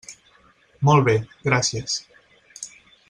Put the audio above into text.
Molt bé, gràcies.